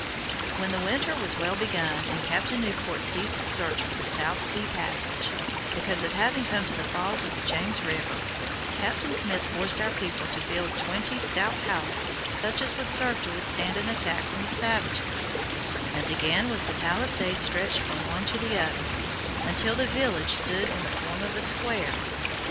When the winter was well begun, and Captain Newport ceased to search for the South Sea passage, because of having come to the falls of the James River, Captain Smith forced our people to build twenty stout houses such as would serve to withstand an attack from the savages, and again was the palisade stretched from one to the other, until the village stood in the form of a square.